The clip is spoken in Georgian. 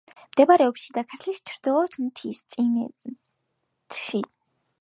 მდებარეობს შიდა ქართლის ჩრდილოეთ მთისწინეთში.